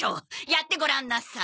やってごらんなさい。